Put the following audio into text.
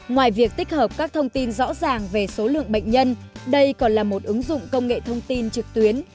ngoài việc tích hợp các thông tin rõ ràng về số lượng bệnh nhân